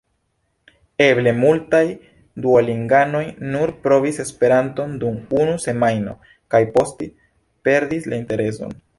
Eble multaj duolinganoj nur provis Esperanton dum unu semajno kaj poste perdis la intereson.